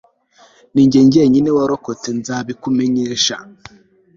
ni jye jyenyine warokotse, nza kubikumenyesha